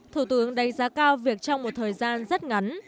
thủ tướng đánh giá cao việc trong một thời gian rất ngắn